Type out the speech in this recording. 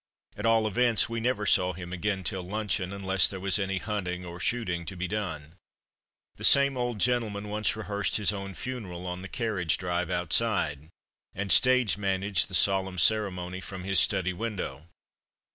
At all events we never saw him again till luncheon, unless there was any hunting or shooting to be done. This same old gentleman once rehearsed his own funeral on the carriage drive outside, and stage managed the solemn ceremony from his study window.